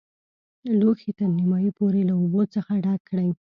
لوښی تر نیمايي پورې له اوبو څخه ډک کړئ.